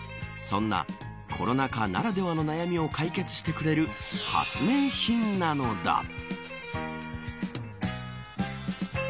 そんなコロナ禍ならではの悩みを解決してくれる発明品なのだ。